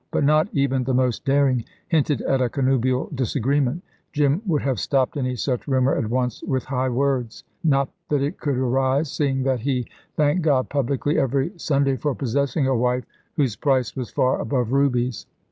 But not even the most daring hinted at a connubial disagreement. Jim would have stopped any such rumour at once with high words. Not that it could arise, seeing that he thanked God publicly every Sunday for possessing a wife whose price was far above rubies.